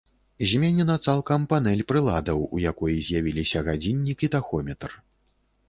Зменена цалкам панэль прыладаў, у якой з'явіліся гадзіннік і тахометр.